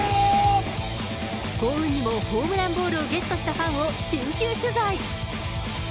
幸運にも、ホームランボールをゲットしたファンを緊急取材。